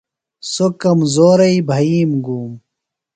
سوۡ کمزورئی بھئیم گُوم۔